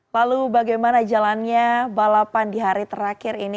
lalu bagaimana jalannya balapan di hari terakhir ini